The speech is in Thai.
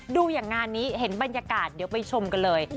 ดูอย่างงานนี้เห็นบรรยากาศเดี๋ยวไปชมกันเลย